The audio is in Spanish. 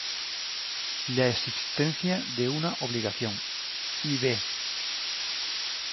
La existencia de una obligación, y b.